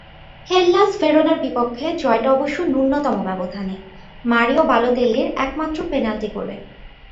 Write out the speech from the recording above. Hellas ভেরোনার বিপক্ষে জয়টা অবশ্য ন্যূনতম ব্যবধানে, মারিও বালোতেল্লির একমাত্র পেনাল্টি গোলে।